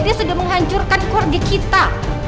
dia sudah menghancurkan keluarga kita